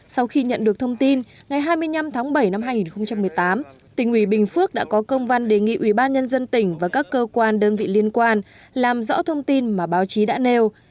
sau khi nhận được thông tin ngày hai mươi năm tháng bảy năm hai nghìn một mươi tám tỉnh ubnd đã có công văn đề nghị ubnd và các cơ quan đơn vị liên quan làm rõ thông tin mà báo chí đã nêu